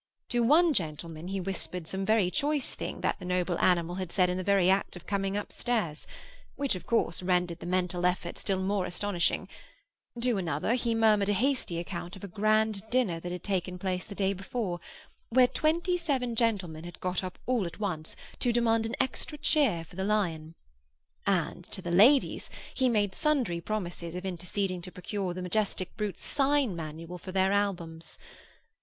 To one gentleman he whispered some very choice thing that the noble animal had said in the very act of coming up stairs, which, of course, rendered the mental effort still more astonishing; to another he murmured a hasty account of a grand dinner that had taken place the day before, where twenty seven gentlemen had got up all at once to demand an extra cheer for the lion; and to the ladies he made sundry promises of interceding to procure the majestic brute's sign manual for their albums.